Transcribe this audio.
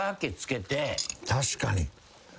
確かに。